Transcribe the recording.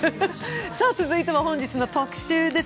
続いては本日の特集です。